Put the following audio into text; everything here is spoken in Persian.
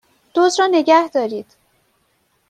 دزد را نگهدارید!